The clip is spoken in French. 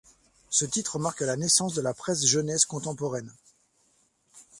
Ce titre marque la naissance de la presse jeunesse contemporaine.